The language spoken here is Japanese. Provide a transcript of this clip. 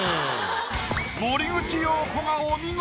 森口瑤子がお見事！